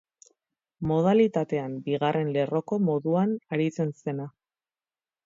Modalitatean bigarren lerroko moduan aritzen zena.